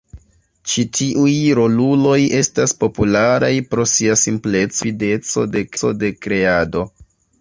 Ĉi tiuj roluloj estas popularaj pro sia simpleco kaj rapideco de kreado.